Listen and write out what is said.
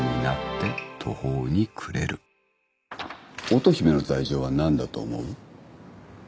乙姫の罪状は何だと思う？